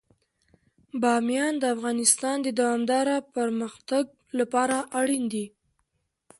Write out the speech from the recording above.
بامیان د افغانستان د دوامداره پرمختګ لپاره اړین دي.